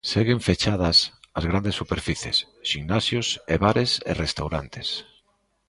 Seguen fechadas as grandes superficies, ximnasios e bares e restaurantes.